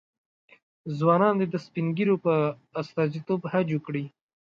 ځوانان دې د سپین ږیرو په استازیتوب حج وکړي.